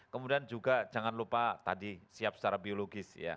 kemudian juga jangan lupa tadi siap secara biologis ya